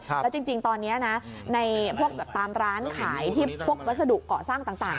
แล้วจริงตอนนี้นะในพวกตามร้านขายที่พวกวัสดุเกาะสร้างต่าง